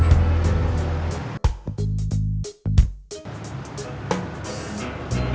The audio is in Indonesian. siapa tau dia mau sama saya